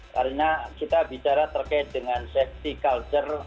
karena kita bicara terkait dengan safety culture